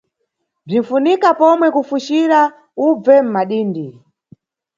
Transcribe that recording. Bzinʼfunika pomwe kufucira ubve mʼmadindi.